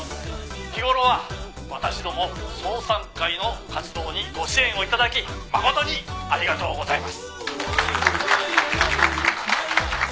「日頃は私ども双三会の活動にご支援を頂き誠にありがとうございます」